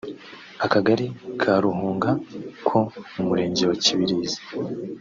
akagari ka Ruhunga ko mu murenge wa kibirizi